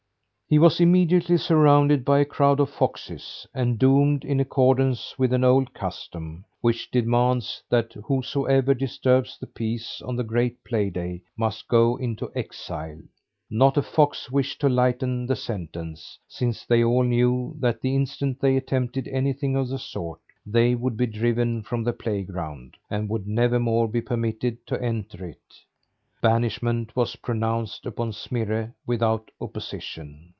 He was immediately surrounded by a crowd of foxes, and doomed in accordance with an old custom, which demands that whosoever disturbs the peace on the great play day, must go into exile. Not a fox wished to lighten the sentence, since they all knew that the instant they attempted anything of the sort, they would be driven from the playground, and would nevermore be permitted to enter it. Banishment was pronounced upon Smirre without opposition.